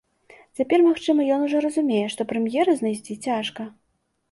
Цяпер, магчыма, ён ужо разумее, што прэм'ера знайсці цяжка.